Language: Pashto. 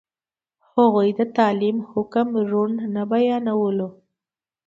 هغوی د تعلیم حکم روڼ نه بیانولو.